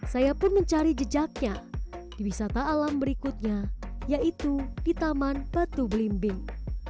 saya pun mencari jejaknya di wisata alam berikutnya yaitu di taman batu belimbing